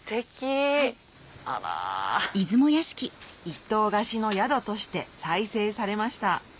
一棟貸しの宿として再生されました